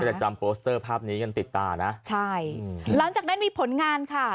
จะจำโปสเตอร์ภาพนี้กันติดตานะใช่หลังจากนั้นมีผลงานค่ะ